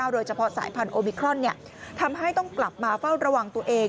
โดยเฉพาะสายพันธุมิครอนทำให้ต้องกลับมาเฝ้าระวังตัวเอง